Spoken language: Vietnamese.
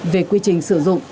về quy trình sử dụng